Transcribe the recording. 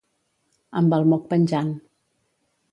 Amb el moc penjant.